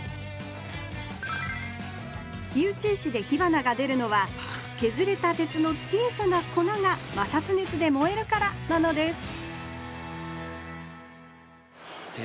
火打ち石で火花がでるのはけずれた鉄の小さな粉が摩擦熱で燃えるからなのです鉄